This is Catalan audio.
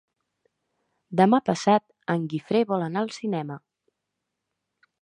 Demà passat en Guifré vol anar al cinema.